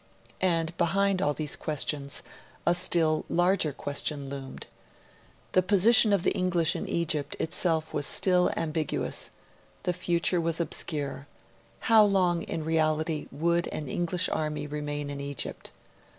And, behind all these questions, a still larger question loomed. The position of the English in Egypt itself was still ambiguous; the future was obscure; how long, in reality, would an English army remain in Egypt?